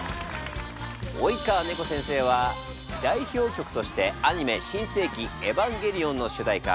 及川眠子先生は代表曲としてアニメ「新世紀エヴァンゲリオン」の主題歌